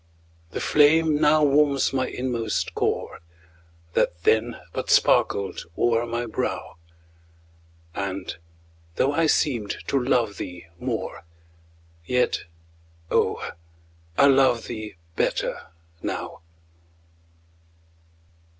The flame now warms my inmost core, That then but sparkled o'er my brow, And, though I seemed to love thee more, Yet, oh, I love thee better now.